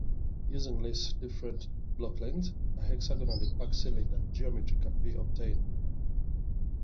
Using less different block lengths, a "hexagonally packed cylinder" geometry can be obtained.